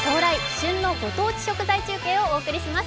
旬のご当地食材中継をお送りします。